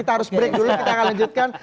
terus break dulu kita akan lanjutkan